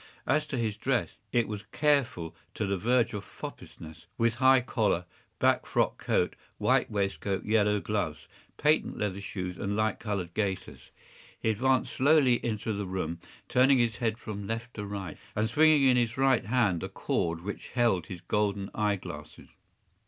As to his dress, it was careful to the verge of foppishness, with high collar, black frock coat, white waistcoat, yellow gloves, patent leather shoes, and light colored gaiters. He advanced slowly into the room, turning his head from left to right, and swinging in his right hand the cord which held his golden eye glasses.